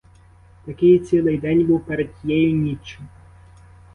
Такий і цілий день був перед тією ніччю.